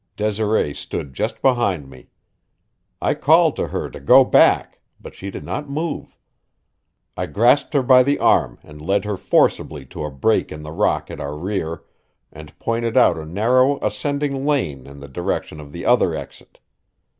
Desiree stood just behind me. I called to her to go back, but she did not move. I grasped her by the arm and led her forcibly to a break in the rock at our rear, and pointed out a narrow ascending lane in the direction of the other exit.